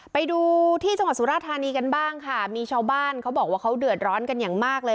ไปดูที่จังหวัดสุราธานีกันบ้างค่ะมีชาวบ้านเขาบอกว่าเขาเดือดร้อนกันอย่างมากเลย